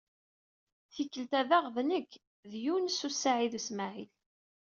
Tikkelt-a daɣ d nekk, d Yunes u Saɛid u Smaɛil.